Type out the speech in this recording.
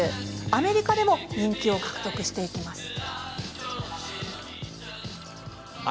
アメリカでも人気を獲得していきます。